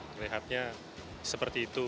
terlihatnya seperti itu